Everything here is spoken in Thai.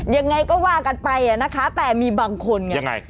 ยังไงก็ว่ากันไปนะคะแต่มีบางคนไง